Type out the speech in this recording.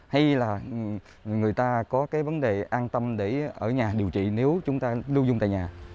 hay là người ta có cái vấn đề an tâm để ở nhà điều trị nếu chúng ta lưu dung tại nhà